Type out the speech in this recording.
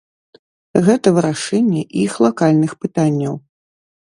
Гэта вырашэнне іх лакальных пытанняў.